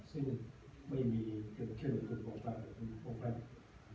ซึ่งไม่มีเที่ยวของคุณโฟฟัส